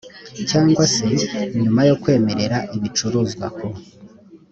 cyangwa se nyuma yo kwemerera ibicuruzwa ku